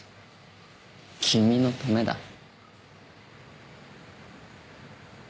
君のためだ。